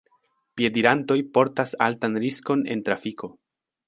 Piedirantoj portas altan riskon en trafiko.